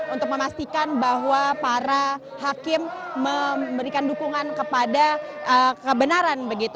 untuk memastikan bahwa para hakim memberikan dukungan kepada kebenaran